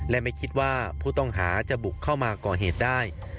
และไม่คิดว่าผู้ต้องหาจะบุกเข้ามาก่อเหตุได้